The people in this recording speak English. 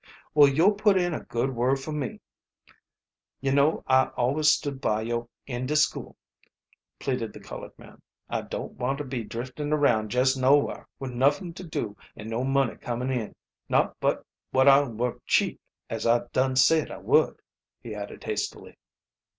"Well, yo' put in a good word fo' me. Yo know I always stood by yo' in de school," pleaded the colored man. "I don't want to be driftin' around jess nowhar, wid nuffin to do, an' no money comin' in not but what I'll work cheap, as I dun said I would," he added hastily.